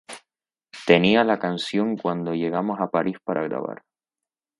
Tenía la canción cuando llegamos a París para grabar.